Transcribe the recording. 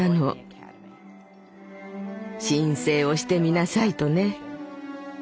申請をしてみなさいとね。